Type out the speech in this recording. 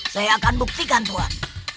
saya akan buktikan tuan